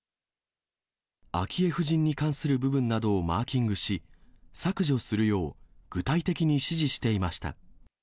昭恵夫人に関する部分などをマーキングし、削除するよう、具体的に指示していました。